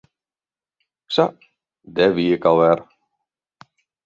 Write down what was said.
Sa, dêr wie ik al wer.